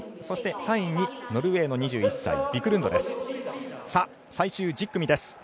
そして３位にノルウェーの２１歳ビクルンドです。